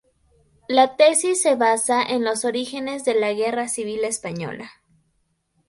La tesis se basa en los orígenes de la Guerra Civil Española.